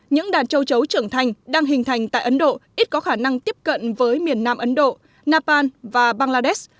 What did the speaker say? những đàn châu chấu trưởng thành đang hình thành tại ấn độ ít có khả năng tiếp cận với miền nam ấn độ nepal và bangladesh